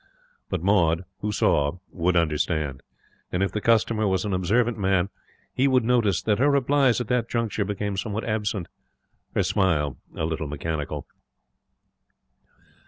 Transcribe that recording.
But Maud, who saw, would understand. And, if the customer was an observant man, he would notice that her replies at that juncture became somewhat absent, her smile a little mechanical.